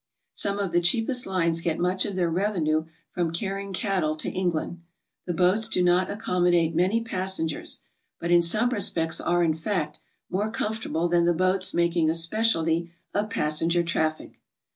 Some of the cheapest lines get much of their revenue from carrying cattle to England. The boats do not accommodate many passengers, but in some respects are, in fact, more comfortable than the boats making a specialty of passenger traffic.